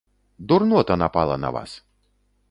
Дурнота напала на вас!